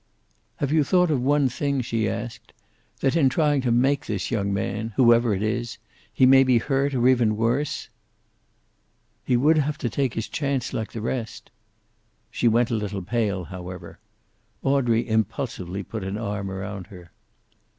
"Have you thought of one thing?" she asked. "That in trying to make this young man, whoever it is, he may be hurt, or even worse?" "He would have to take his chance, like the rest." She went a little pale, however. Audrey impulsively put an arm around her.